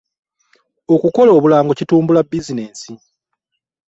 Okukola obulango kitumbula bizineesi.